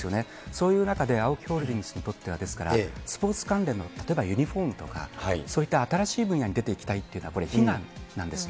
そういう中で、ＡＯＫＩホールディングスにとっては、スポーツ関連の例えばユニホームとか、そういった新しい分野に出ていきたいっていうのはこれ、悲願なんです。